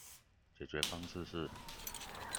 解決方式是